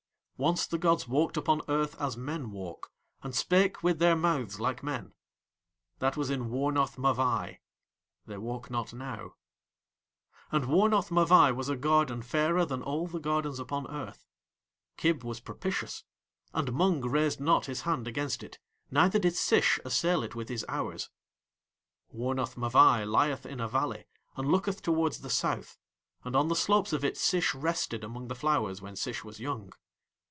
Once the gods walked upon Earth as men walk and spake with their mouths like Men. That was in Wornath Mavai. They walk not now. And Wornath Mavai was a garden fairer than all the gardens upon Earth. Kib was propitious, and Mung raised not his hand against it, neither did Sish assail it with his hours. Wornath Mavai lieth in a valley and looketh towards the south, and on the slopes of it Sish rested among the flowers when Sish was young.